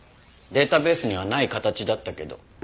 データベースにはない形だったけど。